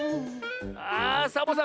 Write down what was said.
あっサボさん